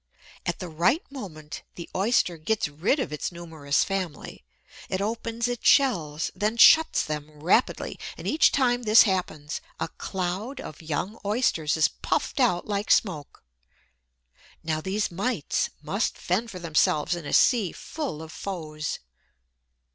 At the right moment, the Oyster gets rid of its numerous family. It opens its shells, then shuts them rapidly; and, each time this happens, a cloud of young Oysters is puffed out like smoke. Now these mites must fend for themselves in a sea full of foes.